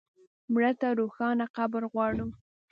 مړه ته روښانه قبر غواړو